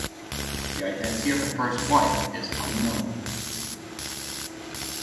The identify of his first wife is unknown.